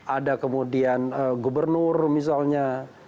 ada kemudian gubernur misalnya